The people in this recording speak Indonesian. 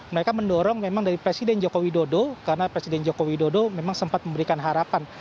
mereka mendorong memang dari presiden joko widodo karena presiden joko widodo memang sempat memberikan harapan